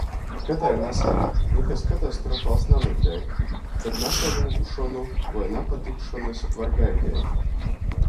Ka tai nasaīt, nikas katastrofals nanūteik, bet nasalūbšonu voi napatikšonys var gaideit.